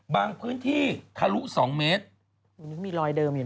บางพื้นที่ทะลุ๒เมตร